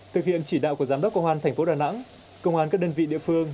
thực hiện chỉ đạo của giám đốc công an tp đà nẵng công an các đơn vị địa phương